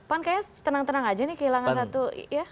pan kayaknya tenang tenang aja nih kehilangan satu ya